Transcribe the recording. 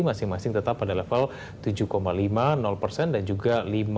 masing masing tetap pada level tujuh lima puluh dan juga lima tujuh puluh lima